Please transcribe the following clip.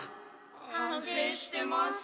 反省してます。